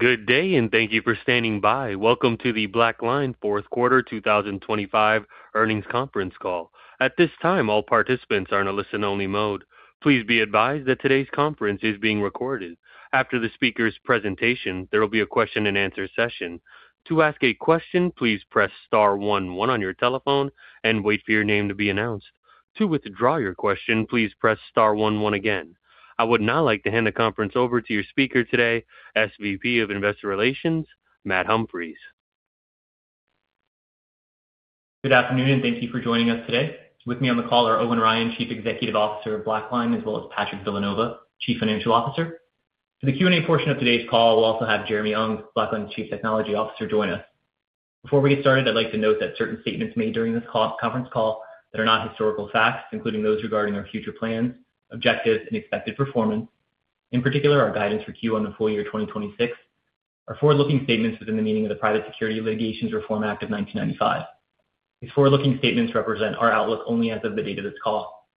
Good day, and thank you for standing by. Welcome to the BlackLine Fourth Quarter 2025 Earnings Conference Call. At this time, all participants are in a listen-only mode. Please be advised that today's conference is being recorded. After the speaker's presentation, there will be a question-and-answer session. To ask a question, please press star 11 on your telephone and wait for your name to be announced. To withdraw your question, please press star 11 again. I would now like to hand the conference over to your speaker today, SVP of Investor Relations, Matt Humphries. Good afternoon, and thank you for joining us today. With me on the call are Owen Ryan, Chief Executive Officer of BlackLine, as well as Patrick Villanova, Chief Financial Officer. For the Q&A portion of today's call, we'll also have Jeremy Ung, BlackLine's Chief Technology Officer, join us. Before we get started, I'd like to note that certain statements made during this call, conference call that are not historical facts, including those regarding our future plans, objectives, and expected performance, in particular, our guidance for Q1 and the full year 2026, are forward-looking statements within the meaning of the Private Securities Litigation Reform Act of 1995. These forward-looking statements represent our outlook only as of the date of this call.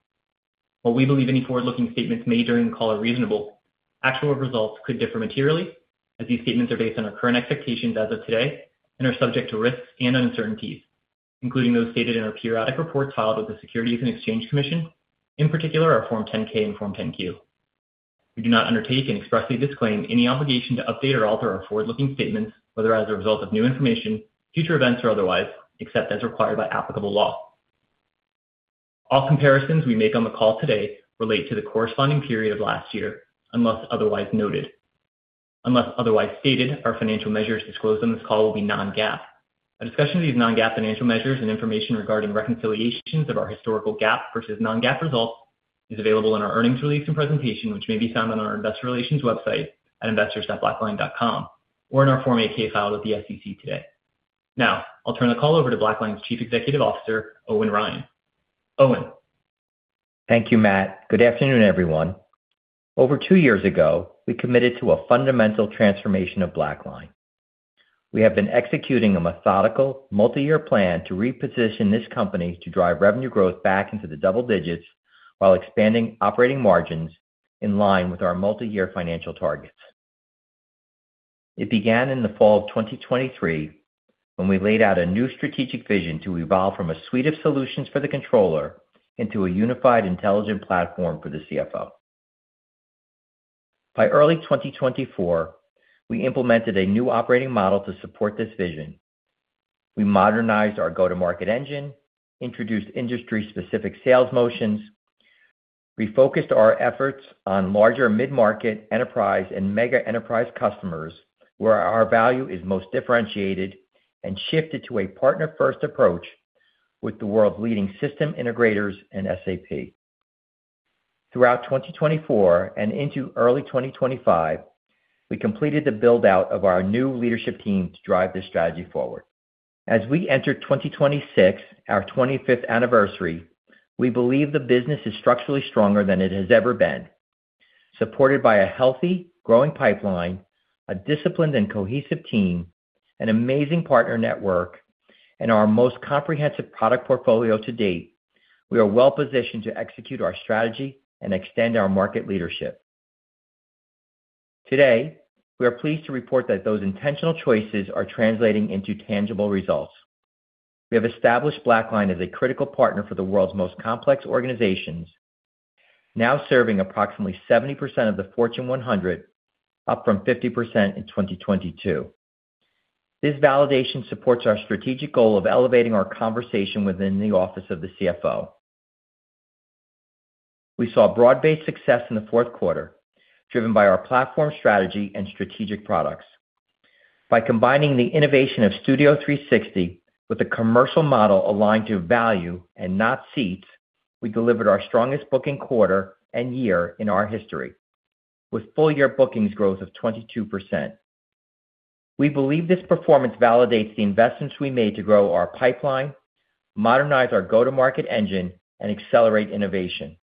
While we believe any forward-looking statements made during the call are reasonable, actual results could differ materially as these statements are based on our current expectations as of today and are subject to risks and uncertainties, including those stated in our periodic reports filed with the Securities and Exchange Commission, in particular, our Form 10-K and Form 10-Q. We do not undertake and expressly disclaim any obligation to update or alter our forward-looking statements, whether as a result of new information, future events, or otherwise, except as required by applicable law. All comparisons we make on the call today relate to the corresponding period of last year, unless otherwise noted. Unless otherwise stated, our financial measures disclosed on this call will be non-GAAP. A discussion of these non-GAAP financial measures and information regarding reconciliations of our historical GAAP versus non-GAAP results is available in our earnings release and presentation, which may be found on our investor relations website at investors.blackline.com or in our Form 8-K filed with the SEC today. Now, I'll turn the call over to BlackLine's Chief Executive Officer, Owen Ryan. Owen? Thank you, Matt. Good afternoon, everyone. Over two years ago, we committed to a fundamental transformation of BlackLine. We have been executing a methodical, multi-year plan to reposition this company to drive revenue growth back into the double digits while expanding operating margins in line with our multi-year financial targets. It began in the fall of 2023, when we laid out a new strategic vision to evolve from a suite of solutions for the controller into a unified, intelligent platform for the CFO. By early 2024, we implemented a new operating model to support this vision. We modernized our go-to-market engine, introduced industry-specific sales motions, refocused our efforts on larger mid-market enterprise and mega enterprise customers, where our value is most differentiated, and shifted to a partner-first approach with the world's leading system integrators and SAP. Throughout 2024 and into early 2025, we completed the build-out of our new leadership team to drive this strategy forward. As we enter 2026, our 25th anniversary, we believe the business is structurally stronger than it has ever been. Supported by a healthy, growing pipeline, a disciplined and cohesive team, an amazing partner network, and our most comprehensive product portfolio to date, we are well-positioned to execute our strategy and extend our market leadership. Today, we are pleased to report that those intentional choices are translating into tangible results. We have established BlackLine as a critical partner for the world's most complex organizations, now serving approximately 70% of the Fortune 100, up from 50% in 2022. This validation supports our strategic goal of elevating our conversation within the office of the CFO. We saw broad-based success in the fourth quarter, driven by our platform strategy and strategic products. By combining the innovation of Studio 360 with a commercial model aligned to value and not seats, we delivered our strongest booking quarter and year in our history, with full-year bookings growth of 22%. We believe this performance validates the investments we made to grow our pipeline, modernize our go-to-market engine, and accelerate innovation.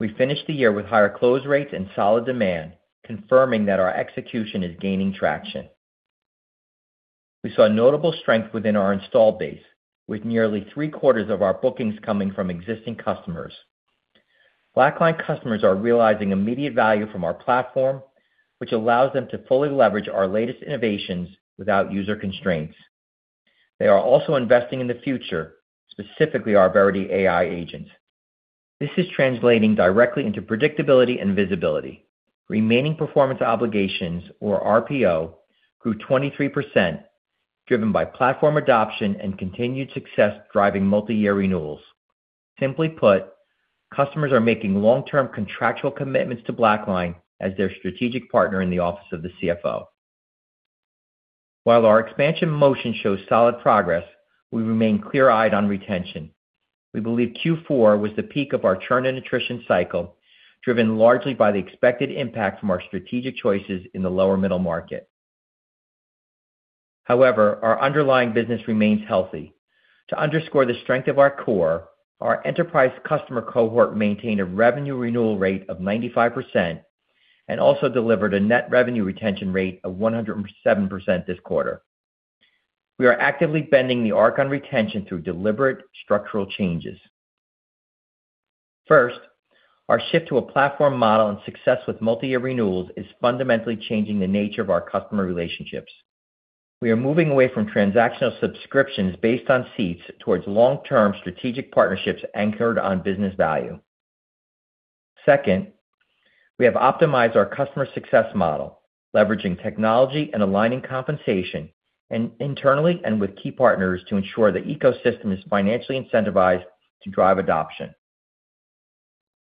We finished the year with higher close rates and solid demand, confirming that our execution is gaining traction. We saw notable strength within our installed base, with nearly three-quarters of our bookings coming from existing customers. BlackLine customers are realizing immediate value from our platform, which allows them to fully leverage our latest innovations without user constraints. They are also investing in the future, specifically our Verity AI agent. This is translating directly into predictability and visibility. Remaining performance obligations, or RPO, grew 23%, driven by platform adoption and continued success driving multi-year renewals. Simply put, customers are making long-term contractual commitments to BlackLine as their strategic partner in the office of the CFO. While our expansion motion shows solid progress, we remain clear-eyed on retention. We believe Q4 was the peak of our churn and attrition cycle, driven largely by the expected impact from our strategic choices in the lower middle market. However, our underlying business remains healthy. To underscore the strength of our core, our enterprise customer cohort maintained a revenue renewal rate of 95% and also delivered a net revenue retention rate of 107% this quarter. We are actively bending the arc on retention through deliberate structural changes.... First, our shift to a platform model and success with multi-year renewals is fundamentally changing the nature of our customer relationships. We are moving away from transactional subscriptions based on seats towards long-term strategic partnerships anchored on business value. Second, we have optimized our customer success model, leveraging technology and aligning compensation, and internally and with key partners to ensure the ecosystem is financially incentivized to drive adoption.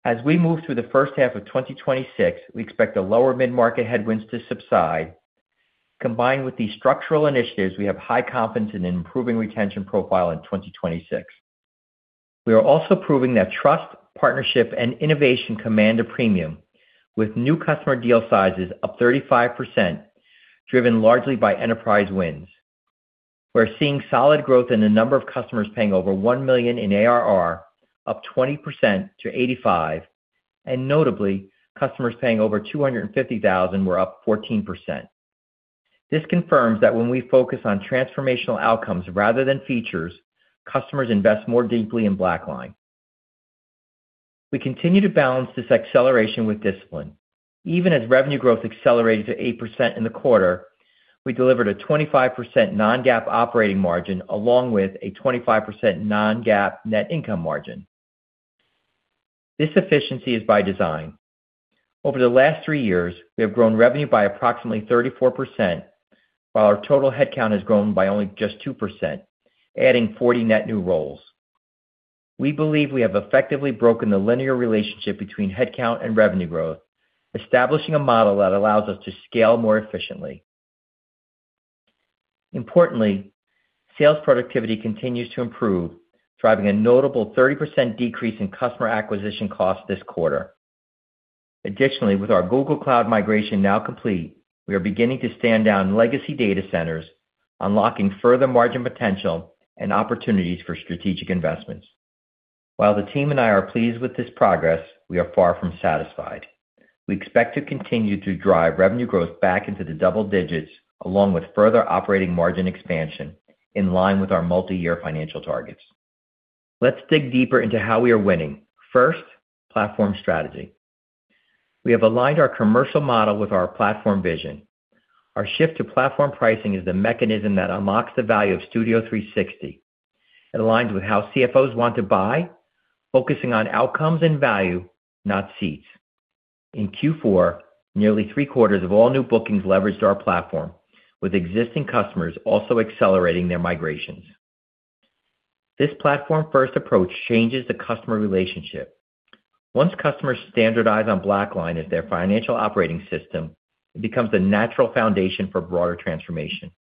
As we move through the first half of 2026, we expect the lower mid-market headwinds to subside. Combined with these structural initiatives, we have high confidence in an improving retention profile in 2026. We are also proving that trust, partnership, and innovation command a premium, with new customer deal sizes up 35%, driven largely by enterprise wins. We're seeing solid growth in the number of customers paying over $1 million in ARR, up 20% to 85, and notably, customers paying over $250,000 were up 14%. This confirms that when we focus on transformational outcomes rather than features, customers invest more deeply in BlackLine. We continue to balance this acceleration with discipline. Even as revenue growth accelerated to 8% in the quarter, we delivered a 25% non-GAAP operating margin, along with a 25% non-GAAP net income margin. This efficiency is by design. Over the last 3 years, we have grown revenue by approximately 34%, while our total headcount has grown by only just 2%, adding 40 net new roles. We believe we have effectively broken the linear relationship between headcount and revenue growth, establishing a model that allows us to scale more efficiently. Importantly, sales productivity continues to improve, driving a notable 30% decrease in customer acquisition costs this quarter. Additionally, with our Google Cloud migration now complete, we are beginning to stand down legacy data centers, unlocking further margin potential and opportunities for strategic investments. While the team and I are pleased with this progress, we are far from satisfied. We expect to continue to drive revenue growth back into the double digits, along with further operating margin expansion, in line with our multi-year financial targets. Let's dig deeper into how we are winning. First, platform strategy. We have aligned our commercial model with our platform vision. Our shift to platform pricing is the mechanism that unlocks the value of Studio 360. It aligns with how CFOs want to buy, focusing on outcomes and value, not seats. In Q4, nearly three-quarters of all new bookings leveraged our platform, with existing customers also accelerating their migrations. This platform-first approach changes the customer relationship. Once customers standardize on BlackLine as their financial operating system, it becomes the natural foundation for broader transformation.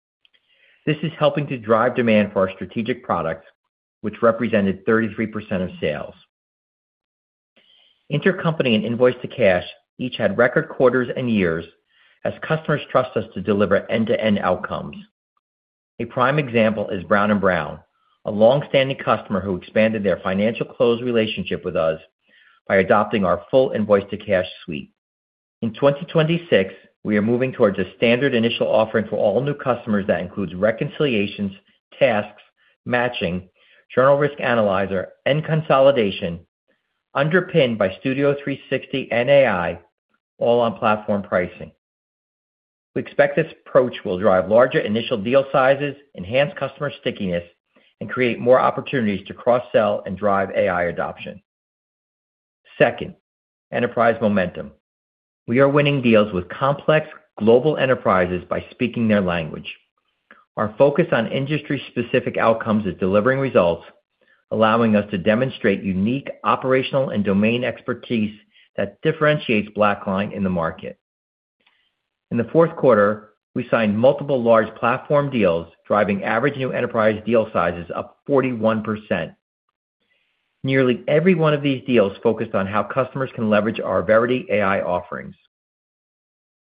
This is helping to drive demand for our strategic products, which represented 33% of sales. Intercompany and Invoice-to-Cash each had record quarters and years as customers trust us to deliver end-to-end outcomes. A prime example is Brown & Brown, a long-standing customer who expanded their financial close relationship with us by adopting our full Invoice-to-Cash suite. In 2026, we are moving towards a standard initial offering for all new customers that includes reconciliations, tasks, matching, Journal Risk Analyzer, and consolidation, underpinned by Studio 360 and AI, all on platform pricing. We expect this approach will drive larger initial deal sizes, enhance customer stickiness, and create more opportunities to cross-sell and drive AI adoption. Second, enterprise momentum. We are winning deals with complex global enterprises by speaking their language. Our focus on industry-specific outcomes is delivering results, allowing us to demonstrate unique operational and domain expertise that differentiates BlackLine in the market. In the fourth quarter, we signed multiple large platform deals, driving average new enterprise deal sizes up 41%. Nearly every one of these deals focused on how customers can leverage our Verity AI offerings.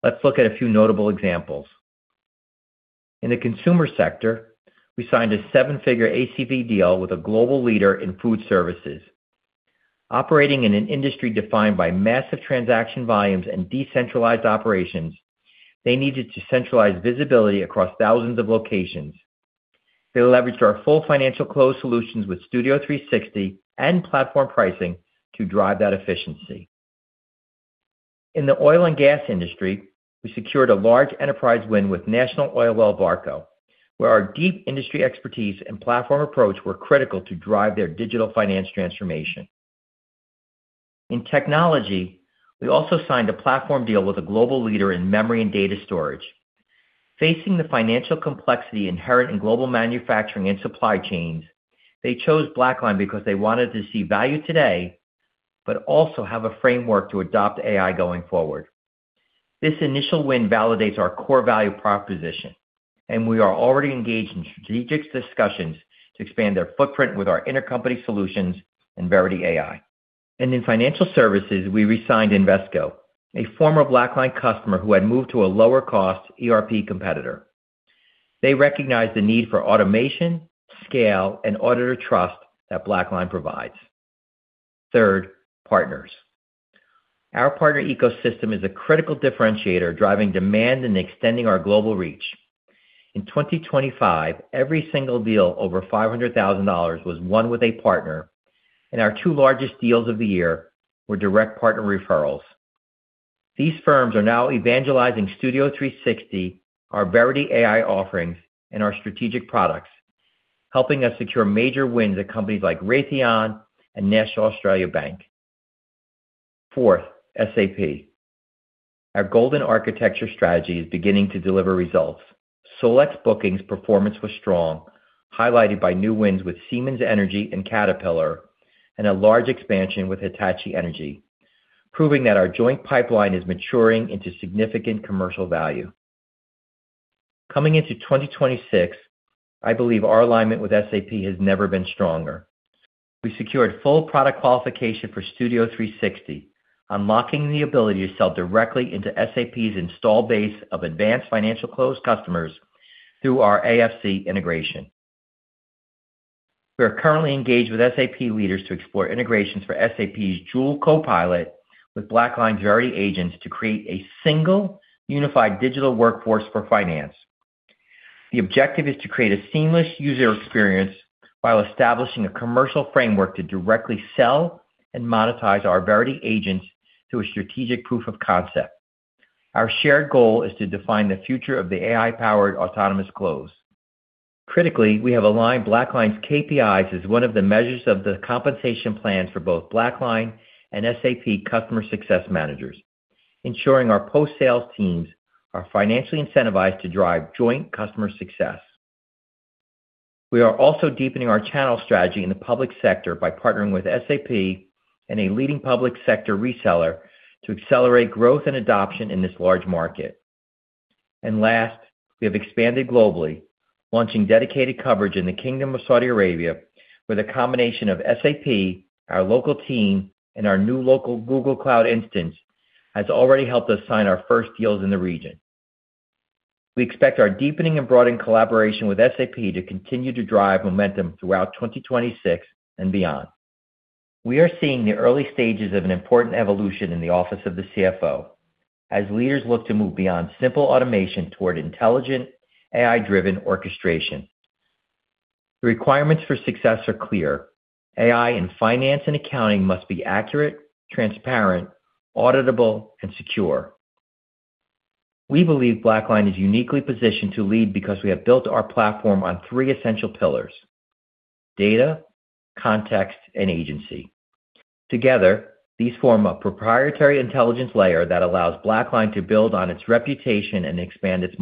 Let's look at a few notable examples. In the consumer sector, we signed a seven-figure ACV deal with a global leader in food services. Operating in an industry defined by massive transaction volumes and decentralized operations, they needed to centralize visibility across thousands of locations. They leveraged our full financial close solutions with Studio 360 and platform pricing to drive that efficiency. In the oil and gas industry, we secured a large enterprise win with National Oilwell Varco, where our deep industry expertise and platform approach were critical to drive their digital finance transformation. In technology, we also signed a platform deal with a global leader in memory and data storage. Facing the financial complexity inherent in global manufacturing and supply chains, they chose BlackLine because they wanted to see value today, but also have a framework to adopt AI going forward. This initial win validates our core value proposition, and we are already engaged in strategic discussions to expand their footprint with our intercompany solutions and Verity AI. In financial services, we resigned Invesco, a former BlackLine customer who had moved to a lower-cost ERP competitor. They recognized the need for automation, scale, and auditor trust that BlackLine provides. Third, partners. Our partner ecosystem is a critical differentiator, driving demand and extending our global reach. In 2025, every single deal over $500,000 was won with a partner, and our two largest deals of the year were direct partner referrals. These firms are now evangelizing Studio 360, our Verity AI offerings, and our strategic products, helping us secure major wins at companies like Raytheon and National Australia Bank. Fourth, SAP. Our golden architecture strategy is beginning to deliver results. SolEx bookings performance was strong, highlighted by new wins with Siemens Energy and Caterpillar, and a large expansion with Hitachi Energy, proving that our joint pipeline is maturing into significant commercial value. Coming into 2026, I believe our alignment with SAP has never been stronger. We secured full product qualification for Studio 360, unlocking the ability to sell directly into SAP's install base of advanced financial close customers through our AFC integration. We are currently engaged with SAP leaders to explore integrations for SAP's Joule Copilot with BlackLine Verity agents to create a single, unified digital workforce for finance. The objective is to create a seamless user experience while establishing a commercial framework to directly sell and monetize our Verity agents through a strategic proof of concept. Our shared goal is to define the future of the AI-powered autonomous close. Critically, we have aligned BlackLine's KPIs as one of the measures of the compensation plans for both BlackLine and SAP customer success managers, ensuring our post-sales teams are financially incentivized to drive joint customer success. We are also deepening our channel strategy in the public sector by partnering with SAP and a leading public sector reseller to accelerate growth and adoption in this large market. And last, we have expanded globally, launching dedicated coverage in the Kingdom of Saudi Arabia, where the combination of SAP, our local team, and our new local Google Cloud instance, has already helped us sign our first deals in the region. We expect our deepening and broadening collaboration with SAP to continue to drive momentum throughout 2026 and beyond. We are seeing the early stages of an important evolution in the Office of the CFO as leaders look to move beyond simple automation toward intelligent, AI-driven orchestration. The requirements for success are clear. AI in finance and accounting must be accurate, transparent, auditable, and secure. We believe BlackLine is uniquely positioned to lead because we have built our platform on three essential pillars: data, context, and agency. Together, these form a proprietary intelligence layer that allows BlackLine to build on its reputation and expand its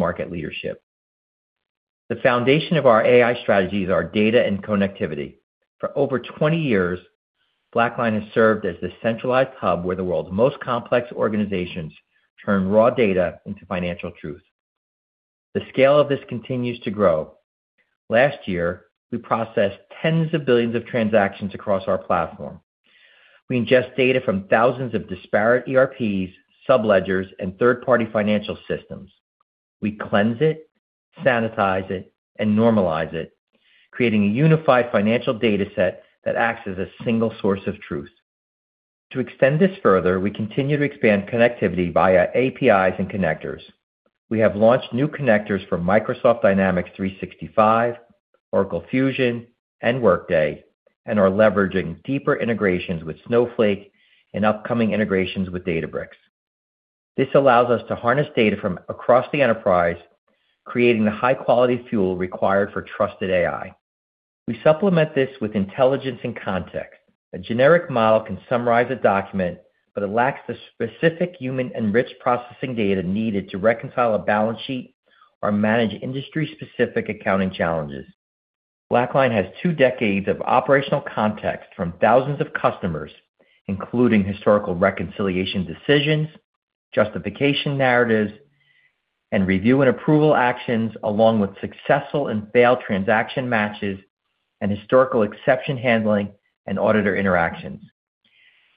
market leadership. The foundation of our AI strategy is our data and connectivity. For over 20 years, BlackLine has served as the centralized hub where the world's most complex organizations turn raw data into financial truth. The scale of this continues to grow. Last year, we processed tens of billions of transactions across our platform. We ingest data from thousands of disparate ERPs, subledgers, and third-party financial systems. We cleanse it, sanitize it, and normalize it, creating a unified financial data set that acts as a single source of truth. To extend this further, we continue to expand connectivity via APIs and connectors. We have launched new connectors for Microsoft Dynamics 365, Oracle Fusion, and Workday, and are leveraging deeper integrations with Snowflake and upcoming integrations with Databricks. This allows us to harness data from across the enterprise, creating the high-quality fuel required for trusted AI. We supplement this with intelligence and context. A generic model can summarize a document, but it lacks the specific human-enriched processing data needed to reconcile a balance sheet or manage industry-specific accounting challenges. BlackLine has two decades of operational context from thousands of customers, including historical reconciliation decisions, justification narratives, and review and approval actions, along with successful and failed transaction matches and historical exception handling and auditor interactions.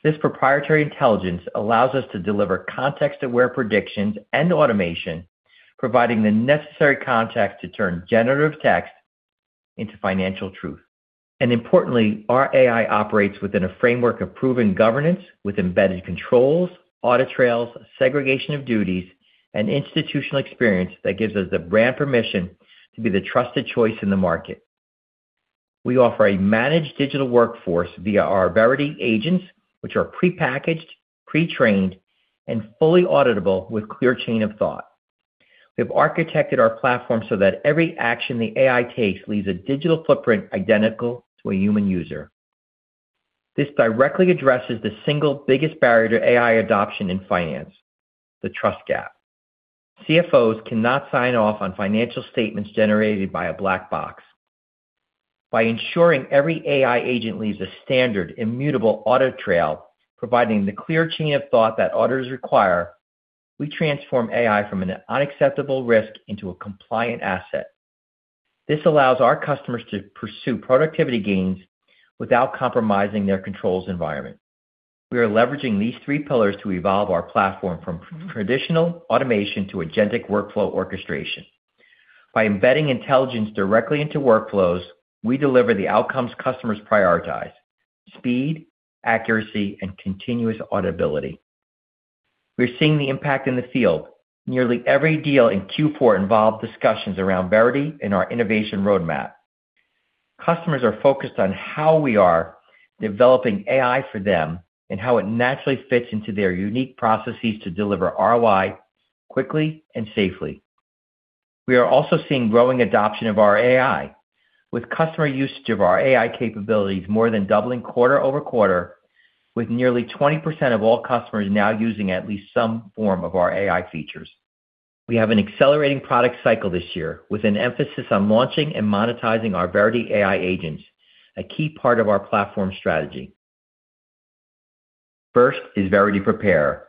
This proprietary intelligence allows us to deliver context-aware predictions and automation, providing the necessary context to turn generative text into financial truth. Importantly, our AI operates within a framework of proven governance with embedded controls, audit trails, segregation of duties, and institutional experience that gives us the brand permission to be the trusted choice in the market. We offer a managed digital workforce via our Verity agents, which are prepackaged, pre-trained, and fully auditable with clear chain of thought. We have architected our platform so that every action the AI takes leaves a digital footprint identical to a human user. This directly addresses the single biggest barrier to AI adoption in finance, the trust gap. CFOs cannot sign off on financial statements generated by a black box. By ensuring every AI agent leaves a standard, immutable audit trail, providing the clear chain of thought that auditors require, we transform AI from an unacceptable risk into a compliant asset. This allows our customers to pursue productivity gains without compromising their controls environment. We are leveraging these three pillars to evolve our platform from traditional automation to agentic workflow orchestration... By embedding intelligence directly into workflows, we deliver the outcomes customers prioritize: speed, accuracy, and continuous audibility. We're seeing the impact in the field. Nearly every deal in Q4 involved discussions around Verity and our innovation roadmap. Customers are focused on how we are developing AI for them and how it naturally fits into their unique processes to deliver ROI quickly and safely. We are also seeing growing adoption of our AI, with customer usage of our AI capabilities more than doubling quarter-over-quarter, with nearly 20% of all customers now using at least some form of our AI features. We have an accelerating product cycle this year, with an emphasis on launching and monetizing our Verity AI agents, a key part of our platform strategy. First is Verity Prepare.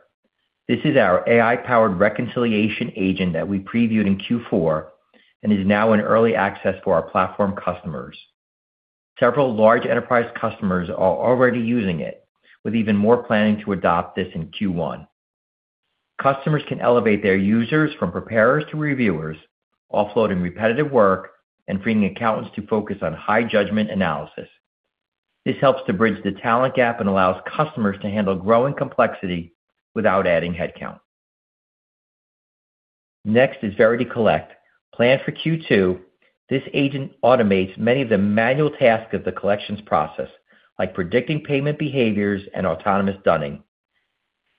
This is our AI-powered reconciliation agent that we previewed in Q4 and is now in early access for our platform customers. Several large enterprise customers are already using it, with even more planning to adopt this in Q1. Customers can elevate their users from preparers to reviewers, offloading repetitive work and freeing accountants to focus on high judgment analysis. This helps to bridge the talent gap and allows customers to handle growing complexity without adding headcount. Next is Verity Collect. Planned for Q2, this agent automates many of the manual tasks of the collections process, like predicting payment behaviors and autonomous dunning.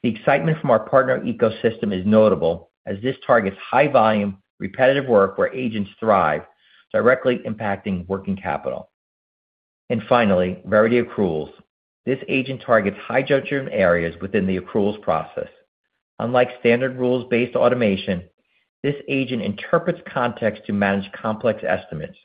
The excitement from our partner ecosystem is notable, as this targets high-volume, repetitive work where agents thrive, directly impacting working capital. Finally, Verity Accruals. This agent targets high-judgment areas within the accruals process. Unlike standard rules-based automation, this agent interprets context to manage complex estimates.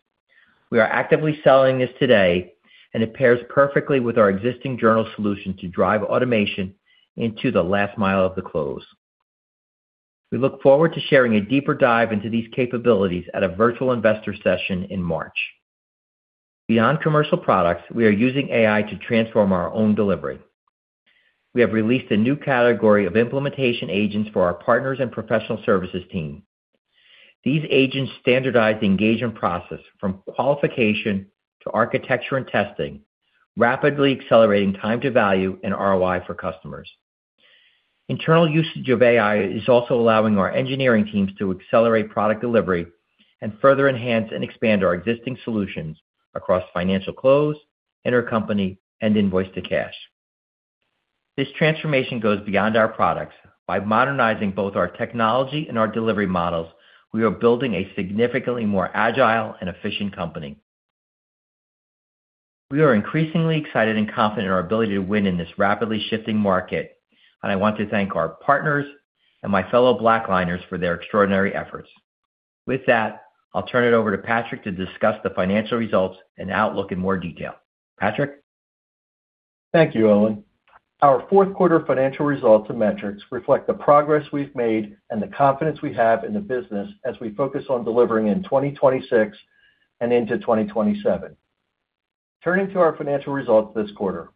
We are actively selling this today, and it pairs perfectly with our existing journal solution to drive automation into the last mile of the close. We look forward to sharing a deeper dive into these capabilities at a virtual investor session in March. Beyond commercial products, we are using AI to transform our own delivery. We have released a new category of implementation agents for our partners and professional services team. These agents standardize the engagement process, from qualification to architecture and testing, rapidly accelerating time to value and ROI for customers. Internal usage of AI is also allowing our engineering teams to accelerate product delivery and further enhance and expand our existing solutions across financial close, intercompany, and invoice to cash. This transformation goes beyond our products. By modernizing both our technology and our delivery models, we are building a significantly more agile and efficient company. We are increasingly excited and confident in our ability to win in this rapidly shifting market, and I want to thank our partners and my fellow BlackLiners for their extraordinary efforts. With that, I'll turn it over to Patrick to discuss the financial results and outlook in more detail. Patrick? Thank you, Owen. Our fourth quarter financial results and metrics reflect the progress we've made and the confidence we have in the business as we focus on delivering in 2026 and into 2027. Turning to our financial results this quarter.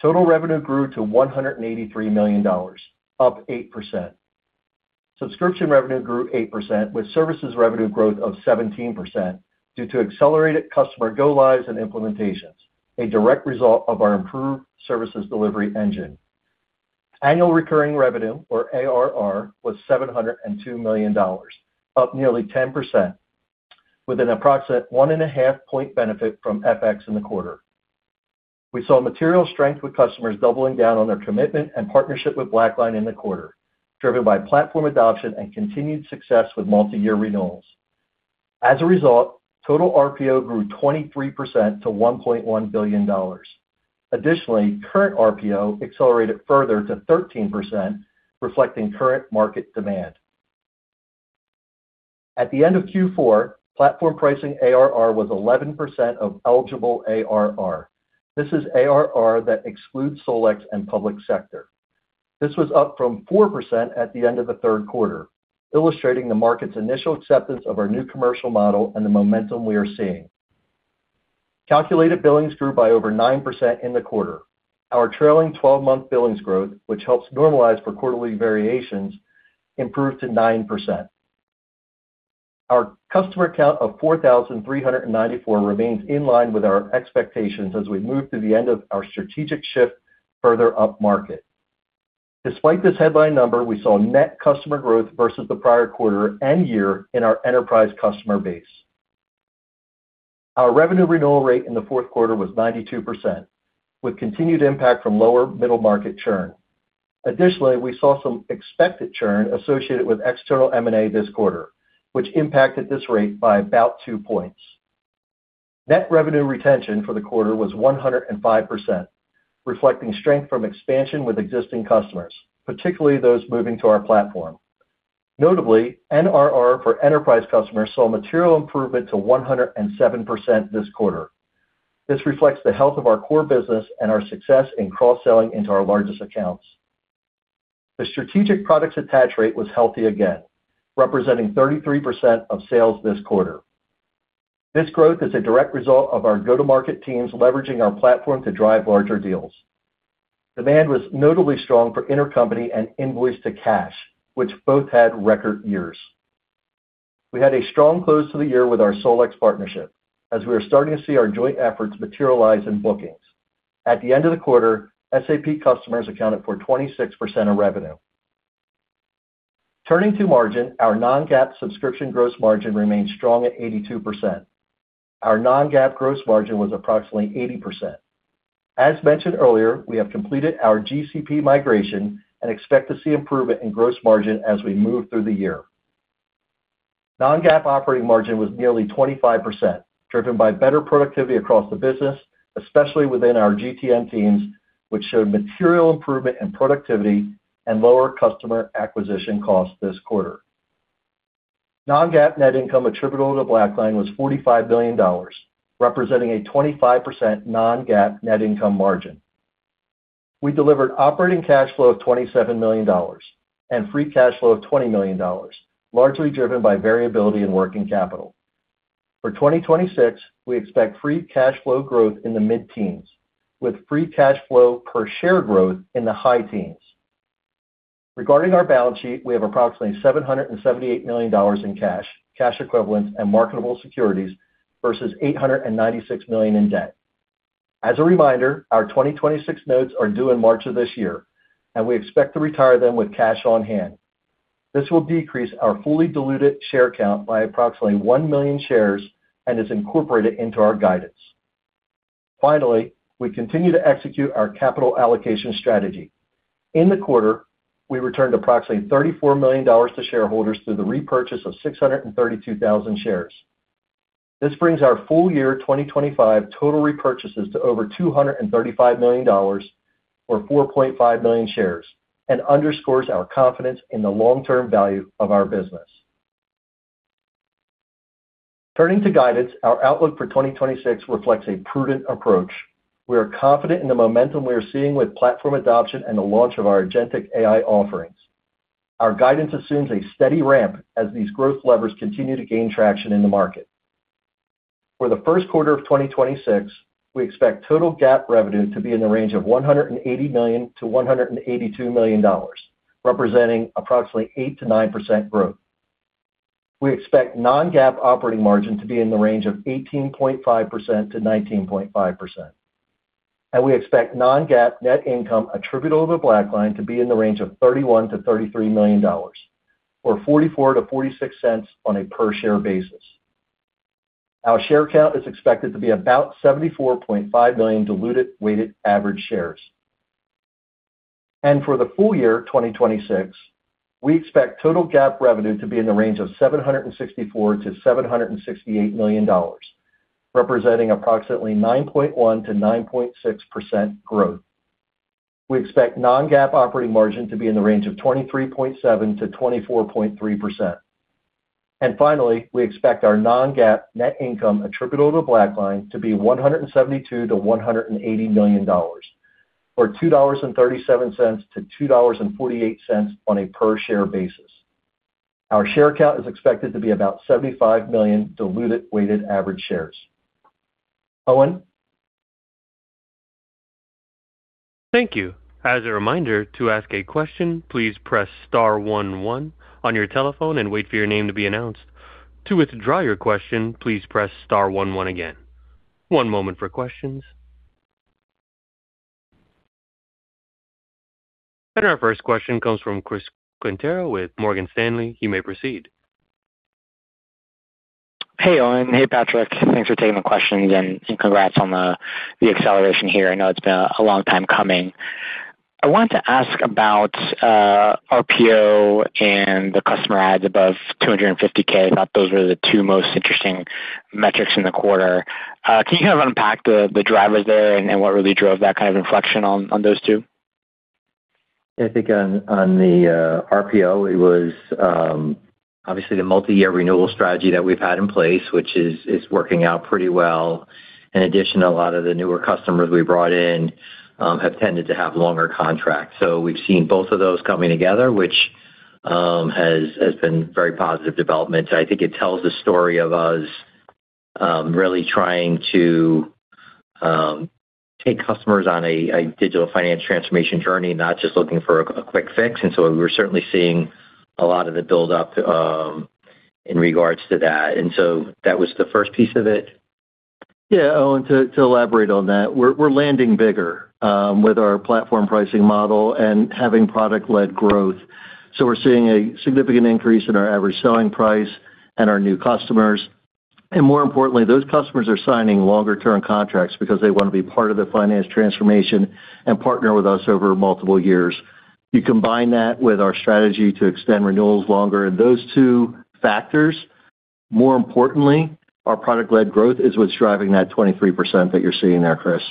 Total revenue grew to $183 million, up 8%. Subscription revenue grew 8%, with services revenue growth of 17% due to accelerated customer go-lives and implementations, a direct result of our improved services delivery engine. Annual recurring revenue, or ARR, was $702 million, up nearly 10%, with an approximate 1.5-point benefit from FX in the quarter. We saw material strength with customers doubling down on their commitment and partnership with BlackLine in the quarter, driven by platform adoption and continued success with multiyear renewals. As a result, total RPO grew 23% to $1.1 billion. Additionally, current RPO accelerated further to 13%, reflecting current market demand. At the end of Q4, platform pricing ARR was 11% of eligible ARR. This is ARR that excludes SolEx and public sector. This was up from 4% at the end of the third quarter, illustrating the market's initial acceptance of our new commercial model and the momentum we are seeing. Calculated billings grew by over 9% in the quarter. Our trailing twelve-month billings growth, which helps normalize for quarterly variations, improved to 9%. Our customer count of 4,394 remains in line with our expectations as we move to the end of our strategic shift further upmarket. Despite this headline number, we saw net customer growth versus the prior quarter and year in our enterprise customer base. Our revenue renewal rate in the fourth quarter was 92%, with continued impact from lower middle market churn. Additionally, we saw some expected churn associated with external M&A this quarter, which impacted this rate by about two points. Net revenue retention for the quarter was 105%, reflecting strength from expansion with existing customers, particularly those moving to our platform. Notably, NRR for enterprise customers saw material improvement to 107% this quarter. This reflects the health of our core business and our success in cross-selling into our largest accounts. The strategic products attach rate was healthy again, representing 33% of sales this quarter.... This growth is a direct result of our go-to-market teams leveraging our platform to drive larger deals. Demand was notably strong for intercompany and invoice to cash, which both had record years. We had a strong close to the year with our SolEx partnership, as we are starting to see our joint efforts materialize in bookings. At the end of the quarter, SAP customers accounted for 26% of revenue. Turning to margin, our non-GAAP subscription gross margin remained strong at 82%. Our non-GAAP gross margin was approximately 80%. As mentioned earlier, we have completed our GCP migration and expect to see improvement in gross margin as we move through the year. Non-GAAP operating margin was nearly 25%, driven by better productivity across the business, especially within our GTM teams, which showed material improvement in productivity and lower customer acquisition costs this quarter. Non-GAAP net income attributable to BlackLine was $45 billion, representing a 25% non-GAAP net income margin. We delivered operating cash flow of $27 million and free cash flow of $20 million, largely driven by variability in working capital. For 2026, we expect free cash flow growth in the mid-teens, with free cash flow per share growth in the high teens. Regarding our balance sheet, we have approximately $778 million in cash, cash equivalents, and marketable securities, versus $896 million in debt. As a reminder, our 2026 notes are due in March of this year, and we expect to retire them with cash on hand. This will decrease our fully diluted share count by approximately 1 million shares and is incorporated into our guidance. Finally, we continue to execute our capital allocation strategy. In the quarter, we returned approximately $34 million to shareholders through the repurchase of 632,000 shares. This brings our full year 2025 total repurchases to over $235 million, or 4.5 million shares, and underscores our confidence in the long-term value of our business. Turning to guidance, our outlook for 2026 reflects a prudent approach. We are confident in the momentum we are seeing with platform adoption and the launch of our agentic AI offerings. Our guidance assumes a steady ramp as these growth levers continue to gain traction in the market. For the first quarter of 2026, we expect total GAAP revenue to be in the range of $180 million-$182 million, representing approximately 8%-9% growth. We expect non-GAAP operating margin to be in the range of 18.5%-19.5%, and we expect non-GAAP net income attributable to BlackLine to be in the range of $31 million-$33 million, or $0.44-$0.46 on a per share basis. Our share count is expected to be about 74.5 million diluted weighted average shares. For the full year 2026, we expect total GAAP revenue to be in the range of $764 million-$768 million, representing approximately 9.1%-9.6% growth. We expect non-GAAP operating margin to be in the range of 23.7%-24.3%. And finally, we expect our non-GAAP net income attributable to BlackLine to be $172 million-$180 million, or $2.37-$2.48 on a per share basis. Our share count is expected to be about 75 million diluted weighted average shares. Owen? Thank you. As a reminder, to ask a question, please press star one one on your telephone and wait for your name to be announced. To withdraw your question, please press star one one again. One moment for questions. Our first question comes from Chris Quintero with Morgan Stanley. You may proceed. Hey, Owen. Hey, Patrick. Thanks for taking the questions, and congrats on the acceleration here. I know it's been a long time coming. I wanted to ask about RPO and the customer adds above 250K. I thought those were the two most interesting metrics in the quarter. Can you kind of unpack the drivers there and what really drove that kind of inflection on those two? I think on the RPO, it was obviously the multiyear renewal strategy that we've had in place, which is working out pretty well. In addition, a lot of the newer customers we brought in have tended to have longer contracts. So we've seen both of those coming together, which has been very positive developments. I think it tells a story of us really trying to take customers on a digital finance transformation journey, not just looking for a quick fix. So we're certainly seeing a lot of the buildup in regards to that. So that was the first piece of it. Yeah, Owen, to elaborate on that, we're landing bigger with our platform pricing model and having product-led growth. So we're seeing a significant increase in our average selling price and our new customers. And more importantly, those customers are signing longer-term contracts because they want to be part of the finance transformation and partner with us over multiple years. You combine that with our strategy to extend renewals longer, and those two factors, more importantly, our product-led growth, is what's driving that 23% that you're seeing there, Chris.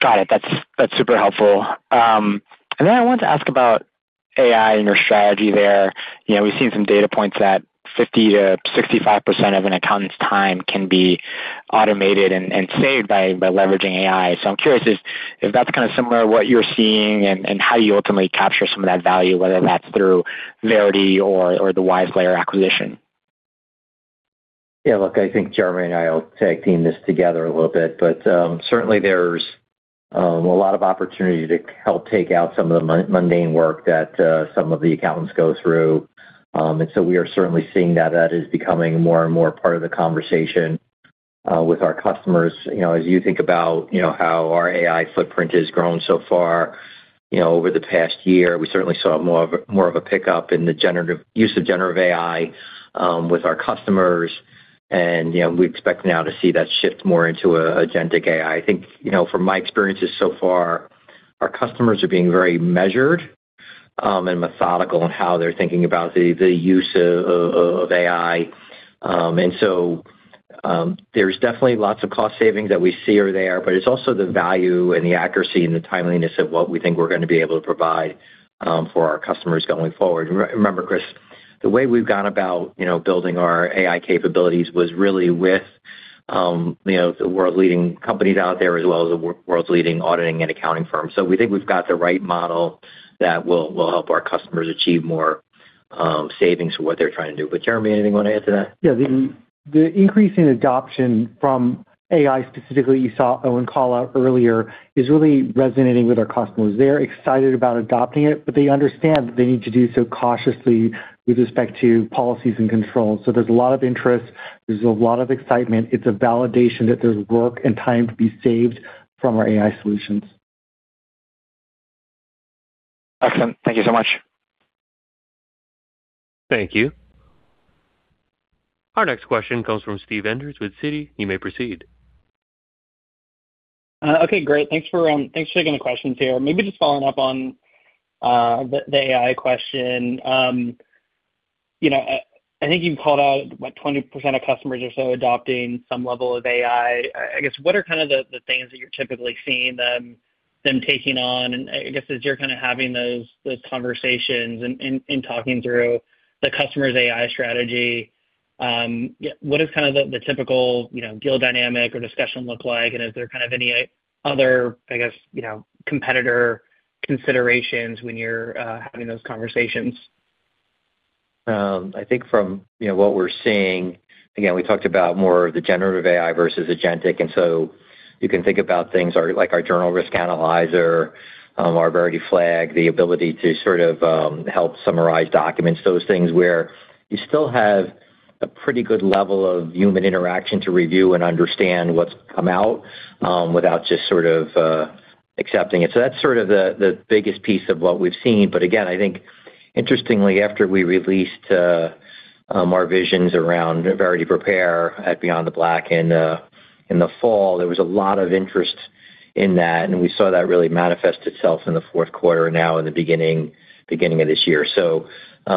Got it. That's, that's super helpful. And then I wanted to ask about AI and your strategy there. You know, we've seen some data points that 50%-65% of an accountant's time can be automated and saved by leveraging AI. So I'm curious if that's kind of similar to what you're seeing and how you ultimately capture some of that value, whether that's through Verity or the WiseLayer acquisition?... Yeah, look, I think Jeremy and I will tag team this together a little bit, but certainly there's a lot of opportunity to help take out some of the mundane work that some of the accountants go through. And so we are certainly seeing that. That is becoming more and more part of the conversation with our customers. You know, as you think about, you know, how our AI footprint has grown so far, you know, over the past year, we certainly saw more of a, more of a pickup in the generative use of generative AI with our customers. And, you know, we expect now to see that shift more into agentic AI. I think, you know, from my experiences so far, our customers are being very measured and methodical in how they're thinking about the use of AI. And so, there's definitely lots of cost savings that we see are there, but it's also the value and the accuracy and the timeliness of what we think we're going to be able to provide for our customers going forward. Remember, Chris, the way we've gone about, you know, building our AI capabilities was really with, you know, the world-leading companies out there, as well as the world's leading auditing and accounting firms. So we think we've got the right model that will help our customers achieve more savings for what they're trying to do. But Jeremy, anything you want to add to that? Yeah. The increase in adoption from AI, specifically, you saw Owen call out earlier, is really resonating with our customers. They're excited about adopting it, but they understand that they need to do so cautiously with respect to policies and controls. So there's a lot of interest. There's a lot of excitement. It's a validation that there's work and time to be saved from our AI solutions. Excellent. Thank you so much. Thank you. Our next question comes from Steve Enders with Citi. You may proceed. Okay, great. Thanks for-- Thanks for taking the questions here. Maybe just following up on, the, the AI question. You know, I, I think you called out, what? 20% of customers or so adopting some level of AI. I, I guess, what are kind of the, the things that you're typically seeing them, them taking on? And I, I guess, as you're kind of having those, those conversations and, and, and talking through the customer's AI strategy, yeah, what is kind of the, the typical, you know, deal dynamic or discussion look like? And is there kind of any other, I guess, you know, competitor considerations when you're, having those conversations? I think from, you know, what we're seeing, again, we talked about more of the generative AI versus agentic, and so you can think about things are, like, our Journal Risk Analyzer, our Verity Flag, the ability to sort of help summarize documents. Those things where you still have a pretty good level of human interaction to review and understand what's come out, without just sort of accepting it. So that's sort of the biggest piece of what we've seen. But again, I think interestingly, after we released our visions around Verity Prepare at Beyond the Black in the fall, there was a lot of interest in that, and we saw that really manifest itself in the fourth quarter and now in the beginning of this year. So,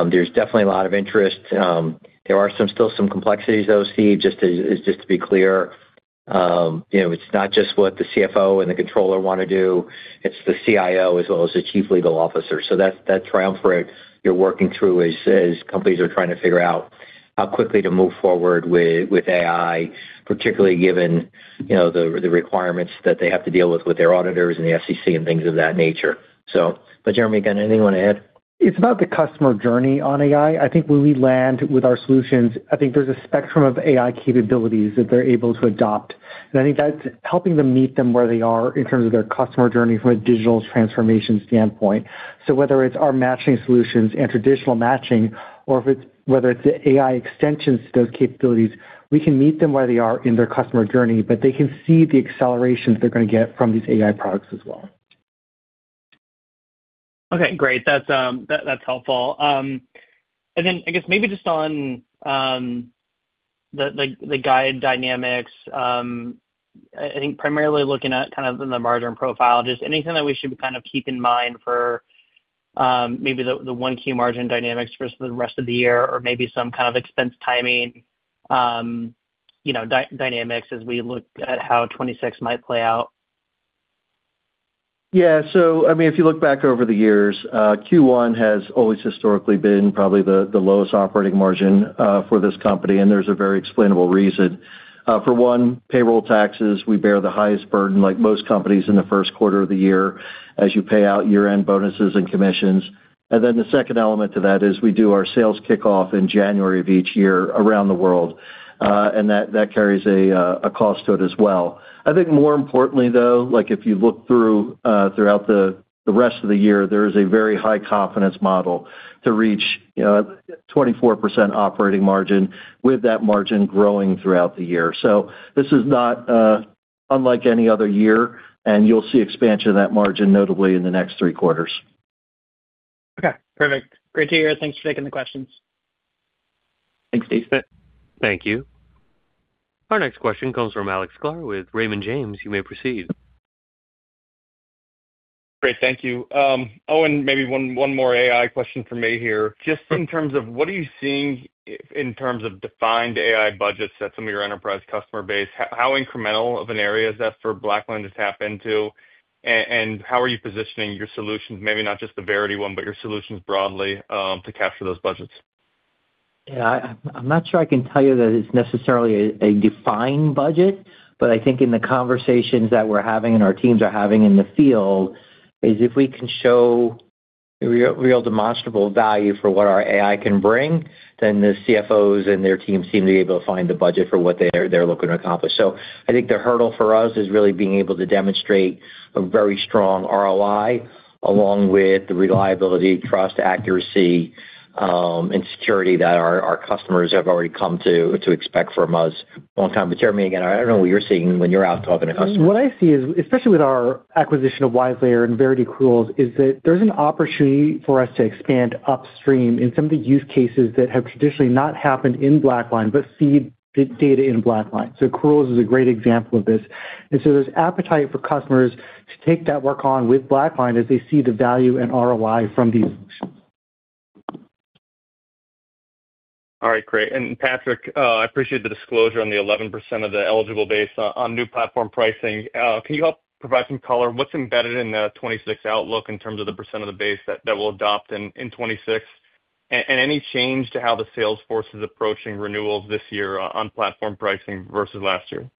there's definitely a lot of interest. There are still some complexities, though, Steve, just to be clear. You know, it's not just what the CFO and the controller want to do, it's the CIO as well as the Chief Legal Officer. So that's that triumvirate you're working through as companies are trying to figure out how quickly to move forward with AI, particularly given, you know, the requirements that they have to deal with their auditors and the SEC and things of that nature. So... But Jeremy, again, anything you want to add? It's about the customer journey on AI. I think when we land with our solutions, I think there's a spectrum of AI capabilities that they're able to adopt, and I think that's helping them meet them where they are in terms of their customer journey from a digital transformation standpoint. So whether it's our matching solutions and traditional matching, or if it's, whether it's the AI extensions to those capabilities, we can meet them where they are in their customer journey, but they can see the accelerations they're going to get from these AI products as well. Okay, great. That's helpful. And then I guess maybe just on the guide dynamics, I think primarily looking at kind of in the margin profile, just anything that we should kind of keep in mind for maybe the one key margin dynamics for the rest of the year or maybe some kind of expense timing, you know, dynamics as we look at how 2026 might play out. Yeah. So, I mean, if you look back over the years, Q1 has always historically been probably the lowest operating margin for this company, and there's a very explainable reason. For one, payroll taxes, we bear the highest burden, like most companies, in the first quarter of the year, as you pay out year-end bonuses and commissions. And then the second element to that is we do our sales kickoff in January of each year around the world, and that carries a cost to it as well. I think more importantly, though, like, if you look through throughout the rest of the year, there is a very high confidence model to reach, you know, 24% operating margin, with that margin growing throughout the year. This is not unlike any other year, and you'll see expansion of that margin, notably in the next three quarters. Okay, perfect. Great to hear. Thanks for taking the questions. Thanks, Steve. Thank you. Our next question comes from Alex Sklar with Raymond James. You may proceed. Great. Thank you. Owen, maybe one more AI question from me here. Just in terms of what are you seeing in terms of defined AI budgets at some of your enterprise customer base, how incremental of an area is that for BlackLine to tap into? And how are you positioning your solutions, maybe not just the Verity one, but your solutions broadly, to capture those budgets? Yeah, I'm not sure I can tell you that it's necessarily a defined budget, but I think in the conversations that we're having and our teams are having in the field, if we can show real demonstrable value for what our AI can bring, then the CFOs and their teams seem to be able to find the budget for what they're looking to accomplish. So I think the hurdle for us is really being able to demonstrate a very strong ROI, along with the reliability, trust, accuracy, and security that our customers have already come to expect from us a long time. But Jeremy, again, I don't know what you're seeing when you're out talking to customers. What I see is, especially with our acquisition of WiseLayer and Verity Accruals, is that there's an opportunity for us to expand upstream in some of the use cases that have traditionally not happened in BlackLine, but seed the data in BlackLine. So Accruals is a great example of this. And so there's appetite for customers to take that work on with BlackLine as they see the value and ROI from these. All right, great. And Patrick, I appreciate the disclosure on the 11% of the eligible base on, on new platform pricing. Can you help provide some color? What's embedded in the 2026 outlook in terms of the % of the base that, that will adopt in, in 2026? And, and any change to how the sales force is approaching renewals this year on platform pricing versus last year?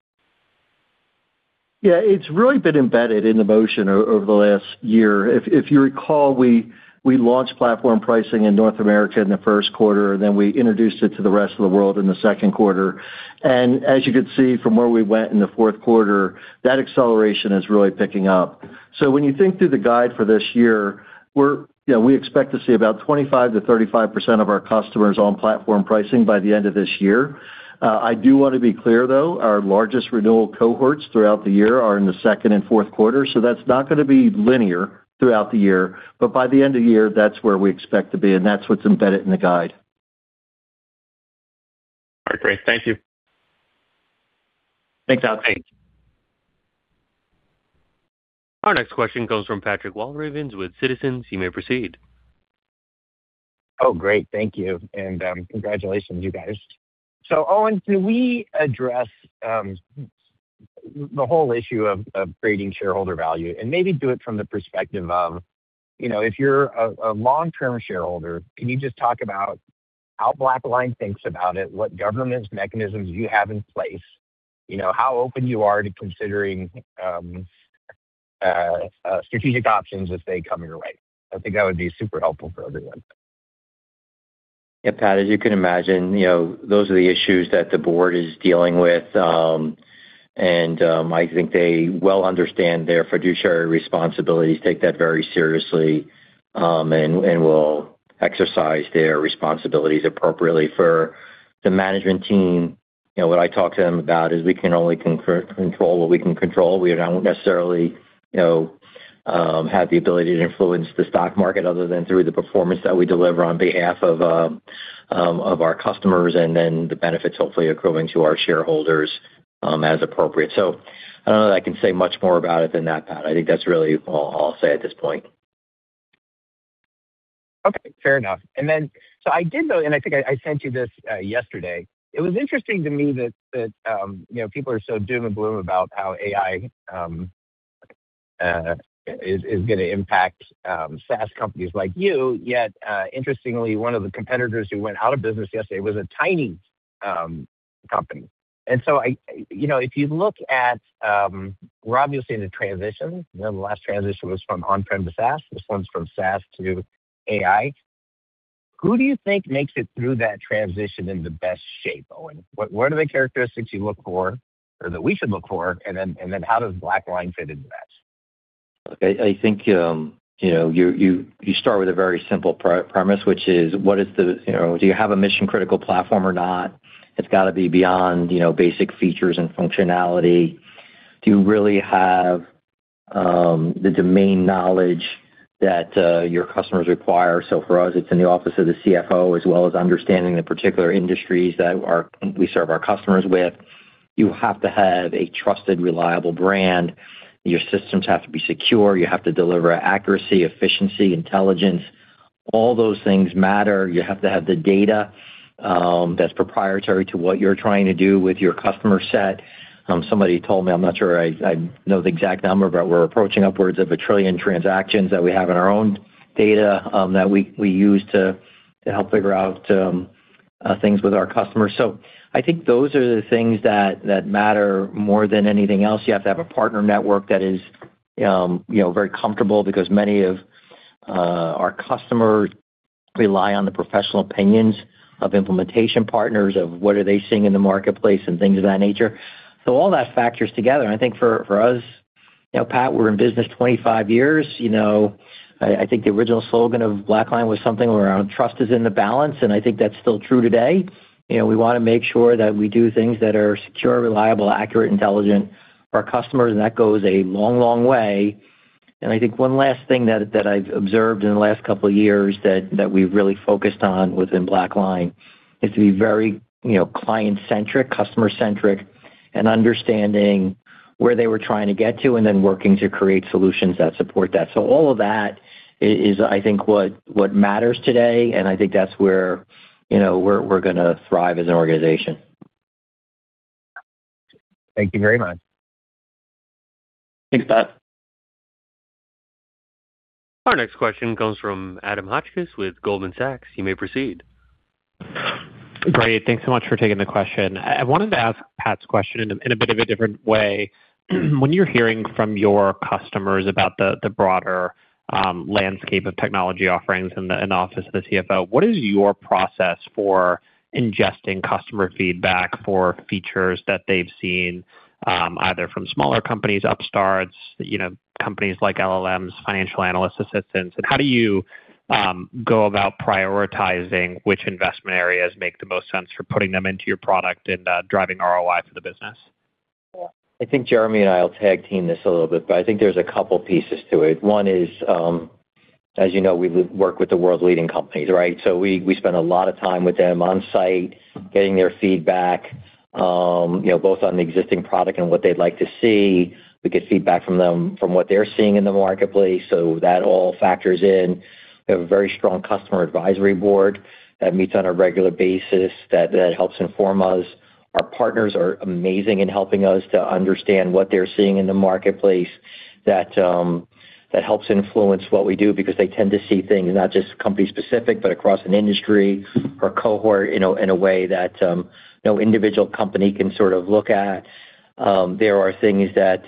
Yeah, it's really been embedded in the motion over the last year. If you recall, we launched platform pricing in North America in the first quarter, and then we introduced it to the rest of the world in the second quarter. And as you could see from where we went in the fourth quarter, that acceleration is really picking up. So when you think through the guide for this year, we're, you know, we expect to see about 25%-35% of our customers on platform pricing by the end of this year. I do want to be clear, though, our largest renewal cohorts throughout the year are in the second and fourth quarter, so that's not gonna be linear throughout the year. But by the end of the year, that's where we expect to be, and that's what's embedded in the guide. All right, great. Thank you. Thanks, Alex. Thanks. Our next question comes from Patrick Walravens with Citizens. You may proceed. Oh, great. Thank you, and congratulations, you guys. So Owen, can we address the whole issue of creating shareholder value and maybe do it from the perspective of, you know, if you're a long-term shareholder, can you just talk about how BlackLine thinks about it, what governance mechanisms you have in place, you know, how open you are to considering strategic options as they come your way? I think that would be super helpful for everyone. Yeah, Pat, as you can imagine, you know, those are the issues that the board is dealing with. And I think they well understand their fiduciary responsibilities, take that very seriously, and will exercise their responsibilities appropriately. For the management team, you know, what I talk to them about is we can only control what we can control. We don't necessarily, you know, have the ability to influence the stock market other than through the performance that we deliver on behalf of, of our customers, and then the benefits hopefully accruing to our shareholders, as appropriate. So I don't know that I can say much more about it than that, Pat. I think that's really all I'll say at this point. Okay, fair enough. And then, so I did, though, and I think I sent you this yesterday. It was interesting to me that you know, people are so doom and gloom about how AI is gonna impact SaaS companies like you. Yet, interestingly, one of the competitors who went out of business yesterday was a tiny company. And so, you know, if you look at, we're obviously in a transition. The last transition was from on-prem to SaaS. This one's from SaaS to AI. Who do you think makes it through that transition in the best shape, Owen? What are the characteristics you look for or that we should look for? And then how does BlackLine fit into that? I think you know you start with a very simple premise, which is what is the... you know, do you have a mission-critical platform or not? It's got to be beyond you know basic features and functionality. Do you really have the domain knowledge that your customers require? So for us, it's in the office of the CFO, as well as understanding the particular industries that we serve our customers with. You have to have a trusted, reliable brand. Your systems have to be secure. You have to deliver accuracy, efficiency, intelligence. All those things matter. You have to have the data that's proprietary to what you're trying to do with your customer set. Somebody told me, I'm not sure I know the exact number, but we're approaching upwards of a trillion transactions that we have in our own data, that we use to help figure out things with our customers. So I think those are the things that matter more than anything else. You have to have a partner network that is, you know, very comfortable because many of our customers rely on the professional opinions of implementation partners, of what are they seeing in the marketplace and things of that nature. So all that factors together. I think for us, you know, Pat, we're in business 25 years. You know, I think the original slogan of BlackLine was something around, "Trust is in the balance," and I think that's still true today. You know, we wanna make sure that we do things that are secure, reliable, accurate, intelligent for our customers, and that goes a long, long way. I think one last thing that I've observed in the last couple of years that we've really focused on within BlackLine is to be very, you know, client-centric, customer-centric, and understanding where they were trying to get to, and then working to create solutions that support that. All of that is, I think, what matters today, and I think that's where, you know, we're gonna thrive as an organization. Thank you very much. Thanks, Pat. Our next question comes from Adam Hotchkiss with Goldman Sachs. You may proceed.... Great. Thanks so much for taking the question. I wanted to ask Pat's question in a bit of a different way. When you're hearing from your customers about the broader landscape of technology offerings in the Office of the CFO, what is your process for ingesting customer feedback for features that they've seen either from smaller companies, upstarts, you know, companies like LLMs, financial analyst assistants? And how do you go about prioritizing which investment areas make the most sense for putting them into your product and driving ROI for the business? I think Jeremy and I will tag team this a little bit, but I think there's a couple pieces to it. One is, as you know, we work with the world's leading companies, right? So we, we spend a lot of time with them on site, getting their feedback, you know, both on the existing product and what they'd like to see. We get feedback from them from what they're seeing in the marketplace, so that all factors in. We have a very strong customer advisory board that meets on a regular basis, that, that helps inform us. Our partners are amazing in helping us to understand what they're seeing in the marketplace, that, that helps influence what we do because they tend to see things, not just company specific, but across an industry or cohort, in a way that no individual company can sort of look at. There are things that,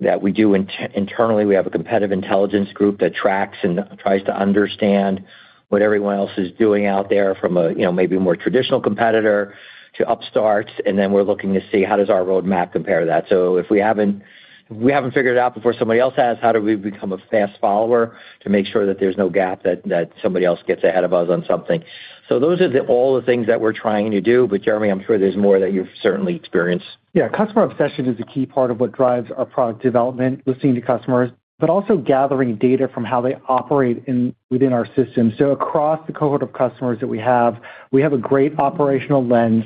that we do internally. We have a competitive intelligence group that tracks and tries to understand what everyone else is doing out there from a, you know, maybe more traditional competitor to upstarts, and then we're looking to see how does our roadmap compare to that. So if we haven't, if we haven't figured it out before somebody else has, how do we become a fast follower to make sure that there's no gap, that somebody else gets ahead of us on something? So those are all the things that we're trying to do, but Jeremy, I'm sure there's more that you've certainly experienced. Yeah, customer obsession is a key part of what drives our product development, listening to customers, but also gathering data from how they operate within our system. So across the cohort of customers that we have, we have a great operational lens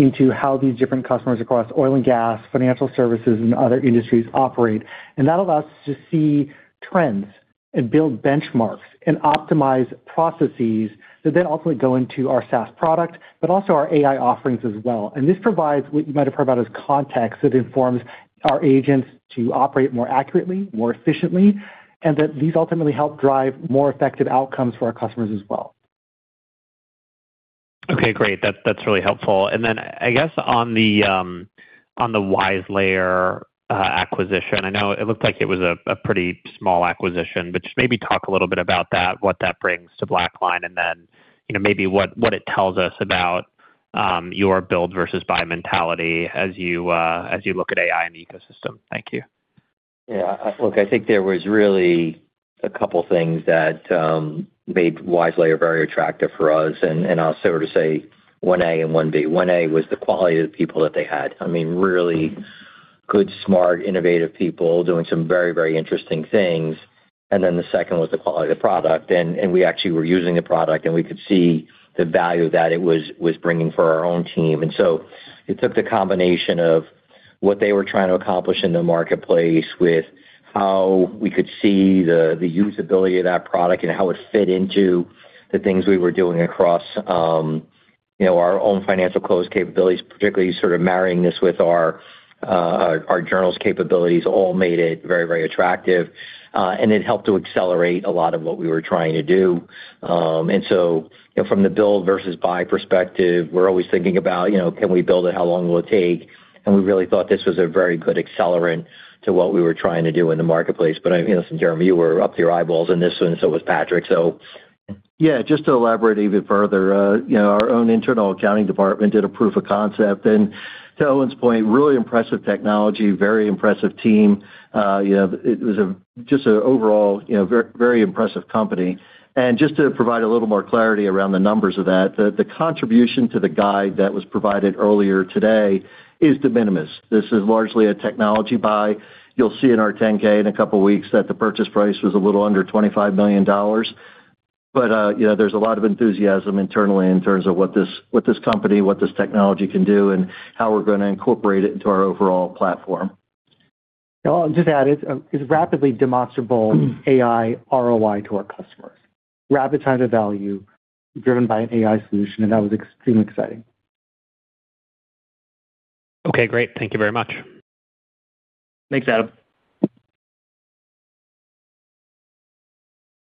into how these different customers across oil and gas, financial services, and other industries operate. And that allows us to see trends and build benchmarks and optimize processes that then ultimately go into our SaaS product, but also our AI offerings as well. And this provides what you might have heard about as context, that informs our agents to operate more accurately, more efficiently, and that these ultimately help drive more effective outcomes for our customers as well. Okay, great. That's, that's really helpful. And then I guess on the, on the WiseLayer acquisition, I know it looked like it was a, a pretty small acquisition, but just maybe talk a little bit about that, what that brings to BlackLine, and then, you know, maybe what, what it tells us about, your build versus buy mentality as you, as you look at AI and the ecosystem. Thank you. Yeah, look, I think there was really a couple things that made WiseLayer very attractive for us, and I'll sort of say one A and one B. One A was the quality of the people that they had. I mean, really good, smart, innovative people doing some very, very interesting things. And then the second was the quality of the product, and we actually were using the product, and we could see the value that it was bringing for our own team. And so it took the combination of what they were trying to accomplish in the marketplace with how we could see the usability of that product and how it fit into the things we were doing across, you know, our own financial close capabilities, particularly sort of marrying this with our, our journals capabilities, all made it very, very attractive, and it helped to accelerate a lot of what we were trying to do. And so, you know, from the build versus buy perspective, we're always thinking about, you know, can we build it? How long will it take? And we really thought this was a very good accelerant to what we were trying to do in the marketplace. But, I-- you know, Jeremy, you were up to your eyeballs in this one, and so was Patrick, so. Yeah, just to elaborate even further, you know, our own internal accounting department did a proof of concept, and to Owen's point, really impressive technology, very impressive team. You know, it was just an overall, you know, very impressive company. And just to provide a little more clarity around the numbers of that, the contribution to the guide that was provided earlier today is de minimis. This is largely a technology buy. You'll see in our 10-K in a couple of weeks that the purchase price was a little under $25 million. But, you know, there's a lot of enthusiasm internally in terms of what this, what this company, what this technology can do, and how we're gonna incorporate it into our overall platform. I'll just add, it's rapidly demonstrable AI ROI to our customers. Rapid time to value driven by an AI solution, and that was extremely exciting. Okay, great. Thank you very much. Thanks, Adam.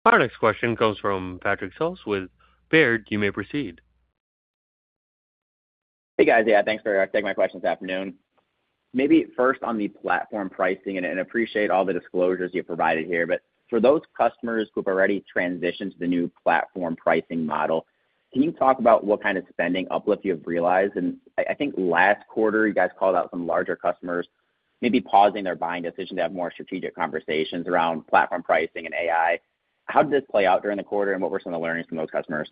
Our next question comes from Patrick Seuss with Baird. You may proceed. Hey, guys. Yeah, thanks for taking my questions this afternoon. Maybe first on the platform pricing, and I appreciate all the disclosures you've provided here, but for those customers who've already transitioned to the new platform pricing model, can you talk about what kind of spending uplift you've realized? And I, I think last quarter, you guys called out some larger customers, maybe pausing their buying decision to have more strategic conversations around platform pricing and AI. How did this play out during the quarter, and what were some of the learnings from those customers?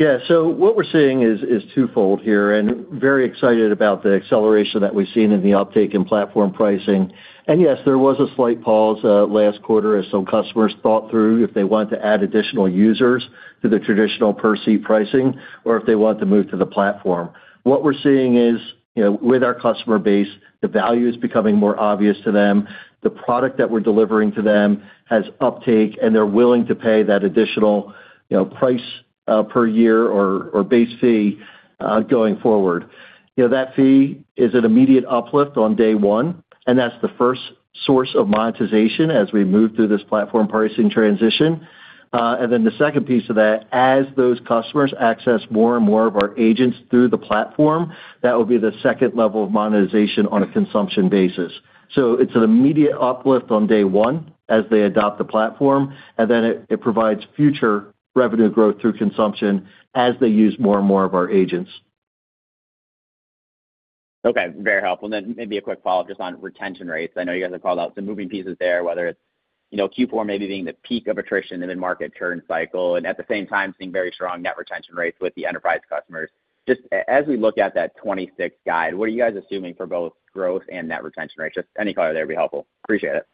Yeah. So what we're seeing is twofold here, and very excited about the acceleration that we've seen in the uptake in platform pricing. And yes, there was a slight pause last quarter as some customers thought through if they wanted to add additional users to the traditional per seat pricing or if they want to move to the platform. What we're seeing is, you know, with our customer base, the value is becoming more obvious to them. The product that we're delivering to them has uptake, and they're willing to pay that additional, you know, price per year or base fee going forward. You know, that fee is an immediate uplift on day one, and that's the first source of monetization as we move through this platform pricing transition.... And then the second piece of that, as those customers access more and more of our agents through the platform, that will be the second level of monetization on a consumption basis. So it's an immediate uplift on day one as they adopt the platform, and then it provides future revenue growth through consumption as they use more and more of our agents. Okay, very helpful. And then maybe a quick follow-up just on retention rates. I know you guys have called out the moving pieces there, whether it's, you know, Q4 maybe being the peak of attrition in the market turn cycle, and at the same time, seeing very strong net retention rates with the enterprise customers. Just as we look at that 2026 guide, what are you guys assuming for both growth and net retention rates? Just any color there would be helpful. Appreciate it.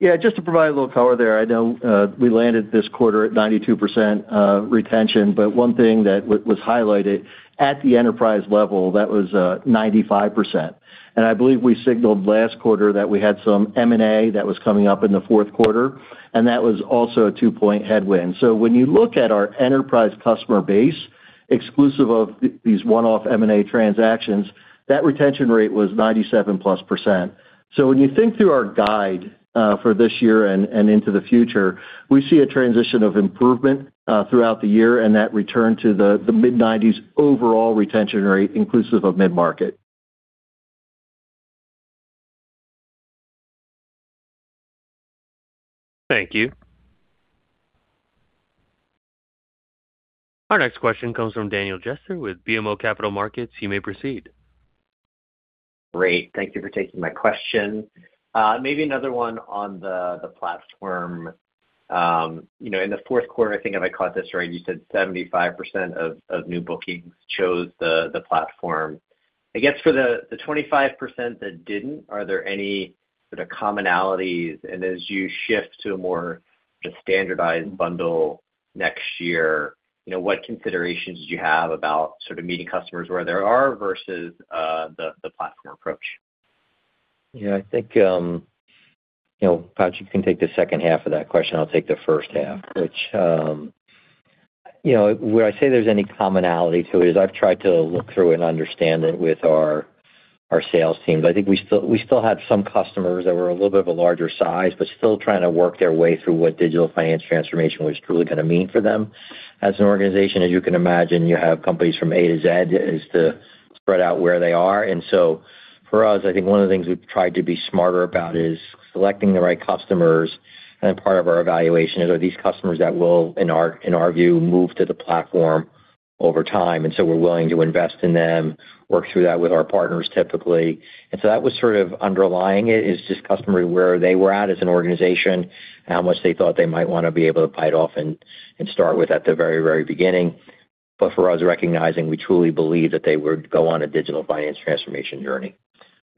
Yeah, just to provide a little color there, I know, we landed this quarter at 92% retention, but one thing that was highlighted at the enterprise level, that was 95%. And I believe we signaled last quarter that we had some M&A that was coming up in the fourth quarter, and that was also a 2-point headwind. So when you look at our enterprise customer base, exclusive of these one-off M&A transactions, that retention rate was 97%+. So when you think through our guide for this year and into the future, we see a transition of improvement throughout the year, and that return to the mid-90s overall retention rate, inclusive of mid-market. Thank you. Our next question comes from Daniel Jester with BMO Capital Markets. You may proceed. Great. Thank you for taking my question. Maybe another one on the platform. You know, in the fourth quarter, I think, if I caught this right, you said 75% of new bookings chose the platform. I guess for the 25% that didn't, are there any sort of commonalities? And as you shift to a more standardized bundle next year, you know, what considerations do you have about sort of meeting customers where they are versus the platform approach? Yeah, I think, you know, Patrick, you can take the second half of that question. I'll take the first half, which, you know, would I say there's any commonality to it, is I've tried to look through and understand it with our, our sales teams. I think we still, we still have some customers that were a little bit of a larger size, but still trying to work their way through what digital finance transformation was truly going to mean for them. As an organization, as you can imagine, you have companies from A to Z, as to spread out where they are. And so for us, I think one of the things we've tried to be smarter about is selecting the right customers, and part of our evaluation is, are these customers that will, in our, in our view, move to the platform over time? And so we're willing to invest in them, work through that with our partners, typically. And so that was sort of underlying it, is just customary where they were at as an organization, and how much they thought they might want to be able to bite off and start with at the very, very beginning. But for us, recognizing we truly believe that they would go on a digital finance transformation journey.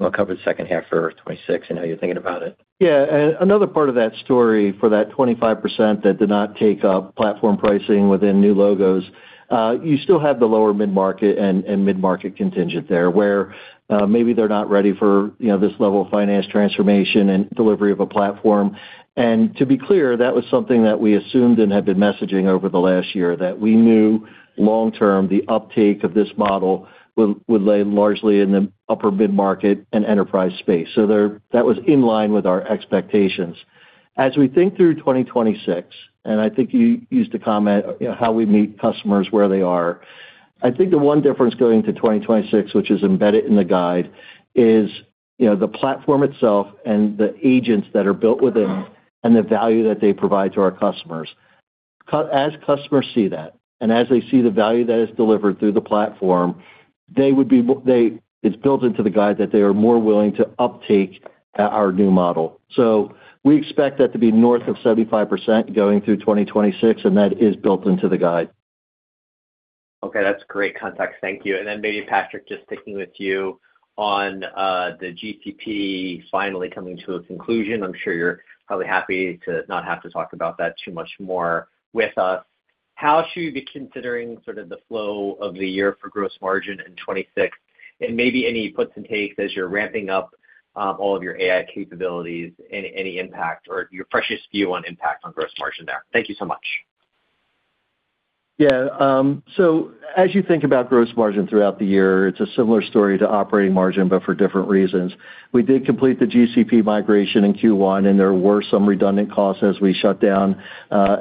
We'll cover the second half for 2026 and how you're thinking about it. Yeah. And another part of that story for that 25% that did not take up platform pricing within new logos, you still have the lower mid-market and mid-market contingent there, where maybe they're not ready for, you know, this level of finance transformation and delivery of a platform. And to be clear, that was something that we assumed and had been messaging over the last year, that we knew long-term, the uptake of this model would lay largely in the upper mid-market and enterprise space. So there - that was in line with our expectations. As we think through 2026, and I think you used to comment, you know, how we meet customers where they are, I think the one difference going into 2026, which is embedded in the guide, is, you know, the platform itself and the agents that are built within and the value that they provide to our customers. As customers see that, and as they see the value that is delivered through the platform, they would be—they—it's built into the guide that they are more willing to uptake our new model. So we expect that to be north of 75% going through 2026, and that is built into the guide. Okay, that's great context. Thank you. And then maybe, Patrick, just sticking with you on, the GCP finally coming to a conclusion. I'm sure you're probably happy to not have to talk about that too much more with us. How should we be considering sort of the flow of the year for gross margin in 2026, and maybe any puts and takes as you're ramping up, all of your AI capabilities, and any impact, or your previous view on impact on gross margin there? Thank you so much. Yeah, so as you think about gross margin throughout the year, it's a similar story to operating margin, but for different reasons. We did complete the GCP migration in Q1, and there were some redundant costs as we shut down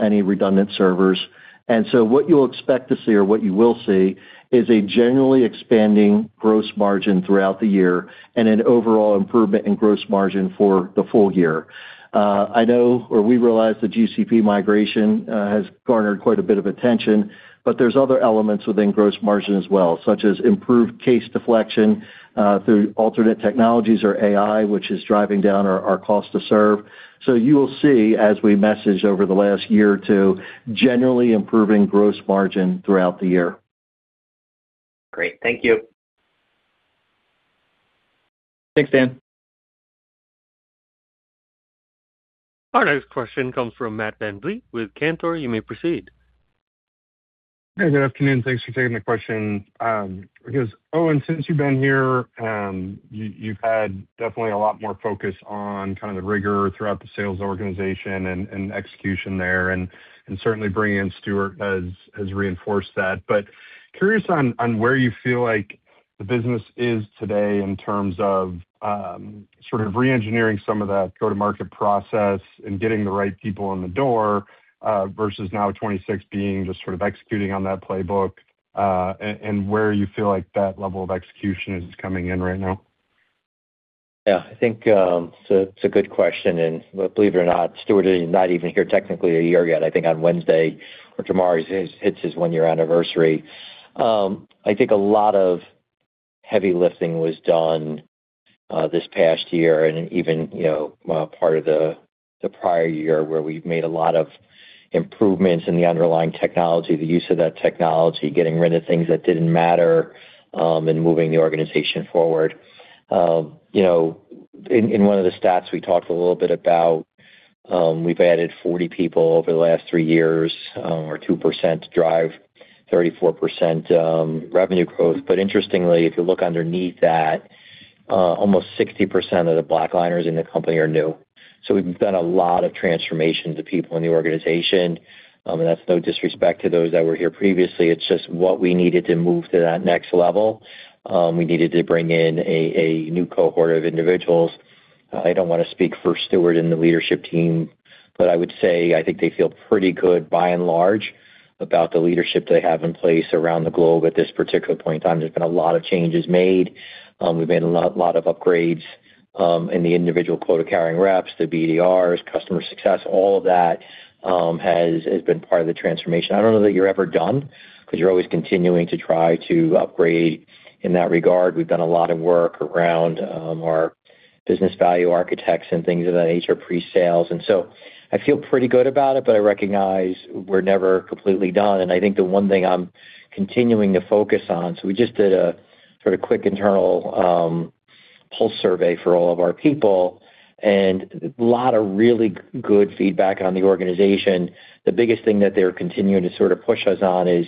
any redundant servers. And so what you'll expect to see or what you will see is a generally expanding gross margin throughout the year and an overall improvement in gross margin for the full year. I know, or we realize the GCP migration has garnered quite a bit of attention, but there's other elements within gross margin as well, such as improved case deflection through alternate technologies or AI, which is driving down our cost to serve. So you will see, as we messaged over the last year or two, generally improving gross margin throughout the year. Great. Thank you. Thanks, Dan. Our next question comes from Matt VanVliet with Cantor. You may proceed. Hey, good afternoon. Thanks for taking the question. I guess, Owen, since you've been here, you, you've had definitely a lot more focus on kind of the rigor throughout the sales organization and, and execution there, and, and certainly bringing in Stuart has, has reinforced that. But curious on, on where you feel like the business is today in terms of, sort of reengineering some of that go-to-market process and getting the right people in the door, versus now 2026 being just sort of executing on that playbook, and where you feel like that level of execution is coming in right now?... Yeah, I think it's a good question, and believe it or not, Stuart is not even here technically a year yet. I think on Wednesday or tomorrow is his, hits his 1-year anniversary. I think a lot of heavy lifting was done this past year and even, you know, part of the prior year, where we've made a lot of improvements in the underlying technology, the use of that technology, getting rid of things that didn't matter and moving the organization forward. You know, in one of the stats, we talked a little bit about we've added 40 people over the last 3 years or 2% drive 34% revenue growth. But interestingly, if you look underneath that, almost 60% of the BlackLiners in the company are new. So we've done a lot of transformation to people in the organization. That's no disrespect to those that were here previously. It's just what we needed to move to that next level. We needed to bring in a new cohort of individuals. I don't wanna speak for Stuart and the leadership team, but I would say I think they feel pretty good by and large about the leadership they have in place around the globe at this particular point in time. There's been a lot of changes made. We've made a lot lot of upgrades in the individual quota-carrying reps, the BDRs, customer success, all of that has has been part of the transformation. I don't know that you're ever done, 'cause you're always continuing to try to upgrade in that regard. We've done a lot of work around our business value architects and things of that nature, pre-sales. And so I feel pretty good about it, but I recognize we're never completely done. And I think the one thing I'm continuing to focus on, so we just did a sort of quick internal pulse survey for all of our people, and a lot of really good feedback on the organization. The biggest thing that they're continuing to sort of push us on is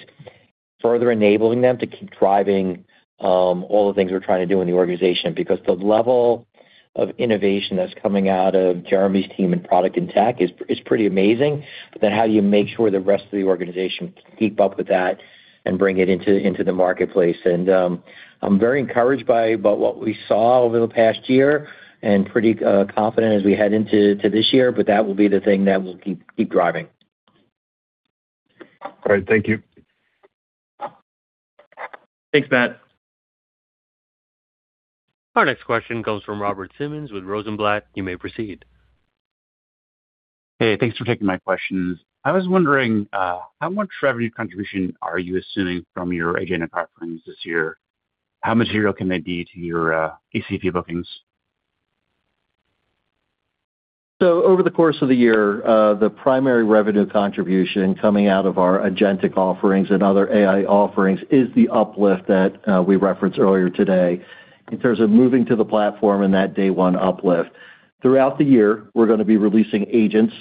further enabling them to keep driving all the things we're trying to do in the organization. Because the level of innovation that's coming out of Jeremy's team and product and tech is pretty amazing. But then how do you make sure the rest of the organization can keep up with that and bring it into the marketplace? And I'm very encouraged by... about what we saw over the past year and pretty confident as we head into this year, but that will be the thing that we'll keep driving. All right. Thank you. Thanks, Matt. Our next question comes from Robert Simmons with Rosenblatt. You may proceed. Hey, thanks for taking my questions. I was wondering, how much revenue contribution are you assuming from your agentic offerings this year? How material can they be to your, ACV bookings? So over the course of the year, the primary revenue contribution coming out of our agentic offerings and other AI offerings is the uplift that we referenced earlier today, in terms of moving to the platform and that day one uplift. Throughout the year, we're gonna be releasing agents,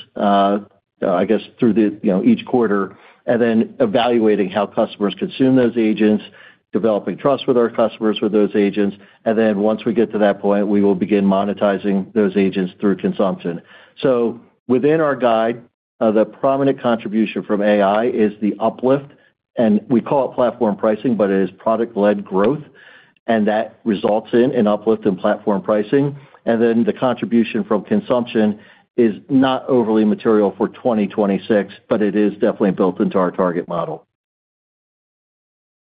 I guess, through the, you know, each quarter, and then evaluating how customers consume those agents, developing trust with our customers with those agents, and then once we get to that point, we will begin monetizing those agents through consumption. So within our guide, the prominent contribution from AI is the uplift, and we call it platform pricing, but it is product-led growth, and that results in an uplift in platform pricing. And then the contribution from consumption is not overly material for 2026, but it is definitely built into our target model.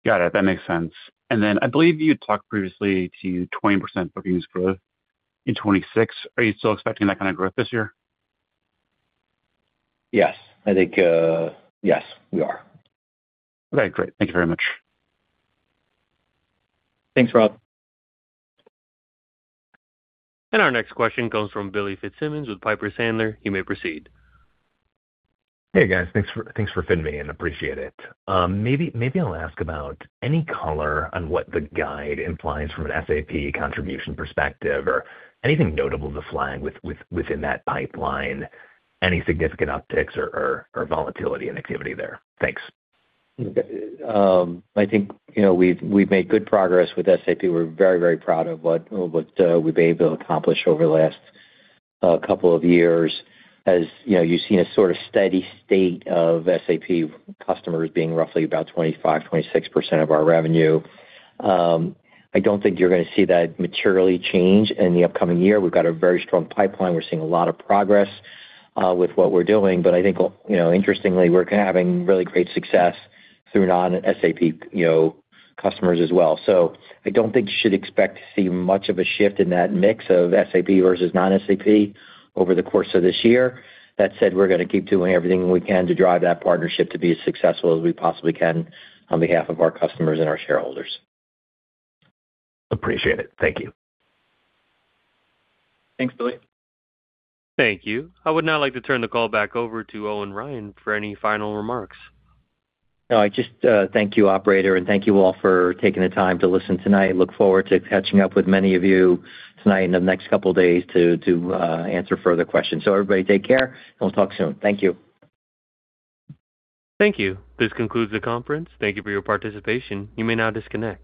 Got it. That makes sense. And then I believe you talked previously to 20% bookings growth in 2026. Are you still expecting that kind of growth this year? Yes. I think, yes, we are. Okay, great. Thank you very much. Thanks, Rob. Our next question comes from Billy Fitzsimmons with Piper Sandler. You may proceed. Hey, guys. Thanks for fitting me in, appreciate it. Maybe I'll ask about any color on what the guide implies from an SAP contribution perspective or anything notable to flag with within that pipeline, any significant upticks or volatility and activity there? Thanks. I think, you know, we've made good progress with SAP. We're very, very proud of what we've been able to accomplish over the last couple of years. As, you know, you've seen a sort of steady state of SAP customers being roughly about 25, 26% of our revenue. I don't think you're gonna see that materially change in the upcoming year. We've got a very strong pipeline. We're seeing a lot of progress with what we're doing. But I think, you know, interestingly, we're having really great success through non-SAP, you know, customers as well. So I don't think you should expect to see much of a shift in that mix of SAP versus non-SAP over the course of this year. That said, we're gonna keep doing everything we can to drive that partnership to be as successful as we possibly can on behalf of our customers and our shareholders. Appreciate it. Thank you. Thanks, Billy. Thank you. I would now like to turn the call back over to Owen Ryan for any final remarks. No, I just thank you, operator, and thank you all for taking the time to listen tonight. Look forward to catching up with many of you tonight, in the next couple of days, to answer further questions. So everybody, take care, and we'll talk soon. Thank you. Thank you. This concludes the conference. Thank you for your participation. You may now disconnect.